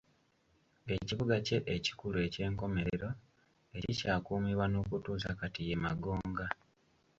Ekibuga kye ekikulu eky'enkomerero ekikyakuumibwa n'okutuusa kati, ye Magonga.